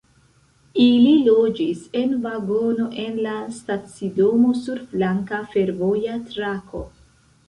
Ili loĝis en vagono en la stacidomo sur flanka fervoja trako.